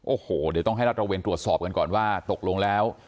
โอ้โหเดี๋ยวต้องให้รัฐระเวนตรวจสอบกันก่อนว่าตกลงแล้ว